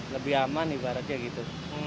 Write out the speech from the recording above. lebih aman ibaratnya gitu